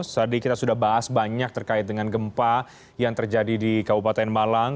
tadi kita sudah bahas banyak terkait dengan gempa yang terjadi di kabupaten malang